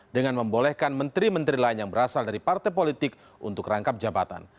dengan membolehkan menteri menteri lain yang berasal dari partai politik untuk rangkap jabatan